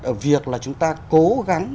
ở việc là chúng ta cố gắng